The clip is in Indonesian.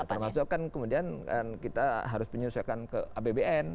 termasuk kan kemudian kita harus penyesuaikan ke abbn